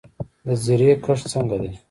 د زیرې کښت څنګه دی؟